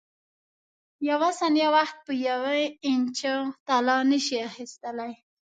یوه ثانیه وخت په یوې انچه طلا نه شې اخیستلای.